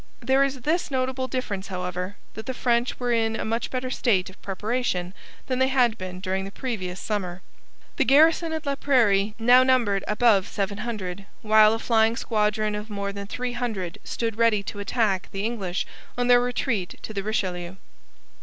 There is this notable difference, however, that the French were in a much better state of preparation than they had been during the previous summer. The garrison at Laprairie now numbered above seven hundred, while a flying squadron of more than three hundred stood ready to attack the English on their retreat to the Richelieu.